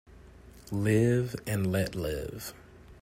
Live and let live.